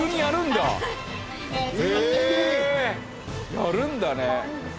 やるんだね。